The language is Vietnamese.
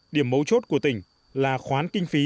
điểm mấu chốt của tỉnh là khoán kinh phí